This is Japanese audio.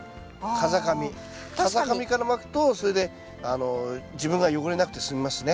風上からまくとそれで自分が汚れなくて済みますね。